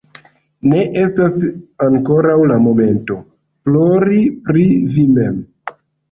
Ne estas ankoraŭ la momento, plori pri vi mem.